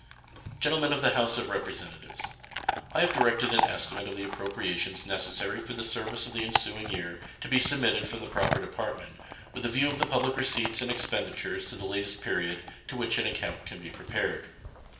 Gentlemen of the House of Representatives: I have directed an estimate of the appropriations necessary for the service of the ensuing year to be submitted from the proper Department, with a view of the public receipts and expenditures to the latest period to which an account can be prepared.